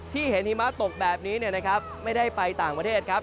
ที่เห็นหิมะตกแบบนี้ไม่ได้ไปต่างประเทศครับ